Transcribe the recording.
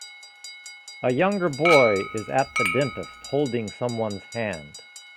A younger boy is at the dentist holding someone 's hand.